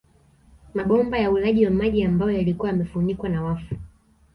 Mabomba ya ulaji wa maji ambayo yalikuwa yamefunikwa na wafu